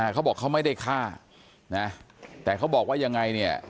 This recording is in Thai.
เขาบอกเขาไม่ได้ฆ่านะแต่เขาบอกว่ายังไงเนี่ย